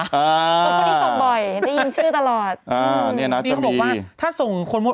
พวกนี้ส่งบ่อยได้ยินชื่อตลอดอ่าเนี่ยนะนี่เขาบอกว่าถ้าส่งคนมด